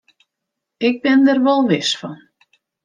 Ik bin der wol wis fan.